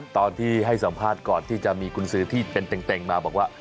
ตอนที่ให้สัมภาษณ์ก่อนที่จะมีกุญสือที่เป็นเต็งมาบอกว่า